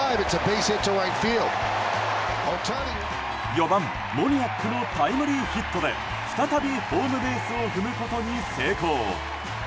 ４番、モニアックのタイムリーヒットで再びホームベースを踏むことに成功。